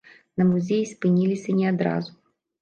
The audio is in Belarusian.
На музеі спыніліся не адразу.